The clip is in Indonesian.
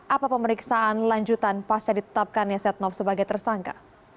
apa pemeriksaan lanjutan pasca ditetapkan ya setnoff sebagai tersangka